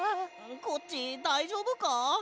コッチだいじょうぶか？